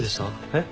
えっ？